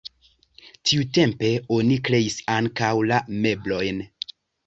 Tiutempe oni kreis ankaŭ la meblojn.